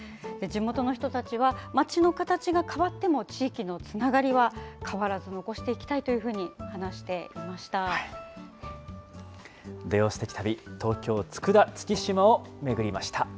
地元の人たちは、町のかたちが変わっても地域のつながりは変わらず残していきたいというふうに話土曜すてき旅、東京、佃・月島を巡りました。